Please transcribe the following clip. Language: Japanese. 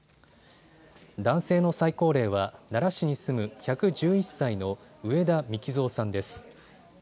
男性の最高齢は奈良市に住む１１１歳の上田幹藏さんです。